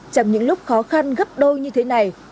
trong những lúc khó khăn gấp đôi như thế này